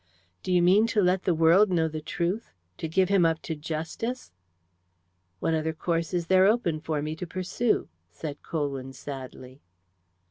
"Do you mean to let the world know the truth to give him up to justice?" "What other course is there open for me to pursue?" said Colwyn sadly.